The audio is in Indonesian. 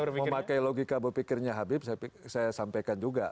memakai logika berpikirnya habib saya sampaikan juga